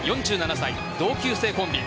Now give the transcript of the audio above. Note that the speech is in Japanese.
４７歳同級生コンビ。